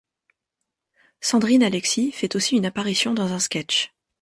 Sandrine Alexi fait aussi une apparition dans un sketch.